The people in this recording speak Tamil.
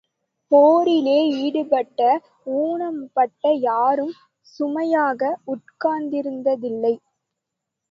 போரிலே ஈடுபட்டு ஊனப்பட்ட யாரும் சுமையாக உட்கார்ந்ததில்லை.